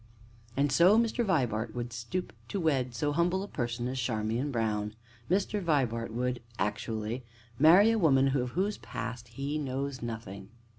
"And so Mr. Vibart would stoop to wed so humble a person as Charmian Brown? Mr. Peter Vibart would, actually, marry a woman of whose past he knows nothing?"